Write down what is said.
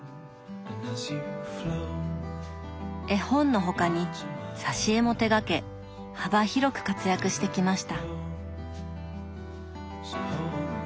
絵本の他に挿絵も手がけ幅広く活躍してきました。